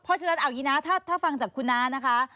เพราะฉะนั้นเอาอย่างนี้นะถ้าฟังจากคุณน้านะคะ